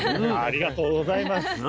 ありがとうございます。